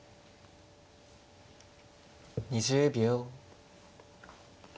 ２０秒。